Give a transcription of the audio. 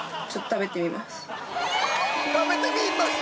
食べてみます？